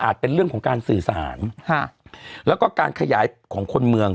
เป็นเรื่องของการสื่อสารค่ะแล้วก็การขยายของคนเมือง